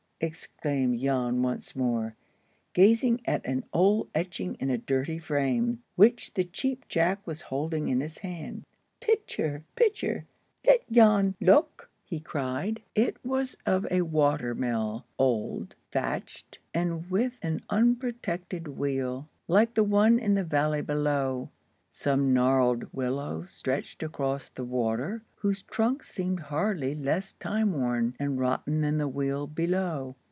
exclaimed Jan once more, gazing at an old etching in a dirty frame, which the Cheap Jack was holding in his hand. "Pitcher, pitcher! let Jan look!" he cried. It was of a water mill, old, thatched, and with an unprotected wheel, like the one in the valley below. Some gnarled willows stretched across the water, whose trunks seemed hardly less time worn and rotten than the wheel below.